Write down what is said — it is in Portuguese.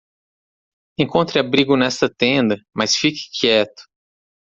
Encontre abrigo nesta tenda?, mas fique quieto.